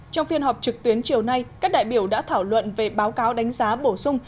trong phiên họp trực tuyến chiều nay các đại biểu đã thảo luận về báo cáo đánh giá bổ sung